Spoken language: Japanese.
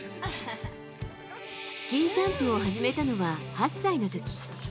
スキージャンプを始めたのは８歳の時。